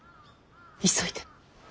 急いで。